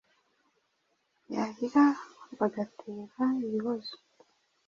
yarira bagatera ibihozo.